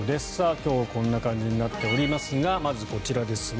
今日はこんな感じになっておりますがまずはこちらですね。